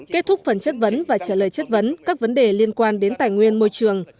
kết thúc phần chất vấn và trả lời chất vấn các vấn đề liên quan đến tài nguyên môi trường